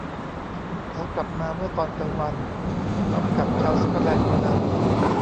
เขากลับมาเมื่อตอนกลางวันพร้อมกับชาวสก็อตแลนด์คนนั้น